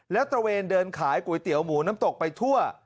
แล้วตระเวนเดินขายก๋วยเตี๋ยวหมูน้ำตกไปทั่ว